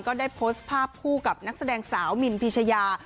ก็ได้โพสต์ภาพคู่กับนักแสดงสาวมินพิชยา